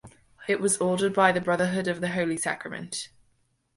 It was ordered by the Brotherhood of the holy Sacrament.